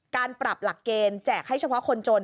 การปรับหลักเกณฑ์แจกให้เฉพาะคนจน